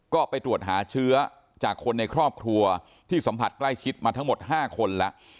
ก็ไปตรวจหาเชื้อจากคนในครอบครัวที่สัมผัสใกล้ชิดมาทั้งหมด๕คนแล้ว